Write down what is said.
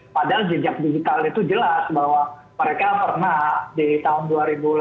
padahal jejak digital itu jelas bahwa mereka pernah di tahun dua ribu delapan belas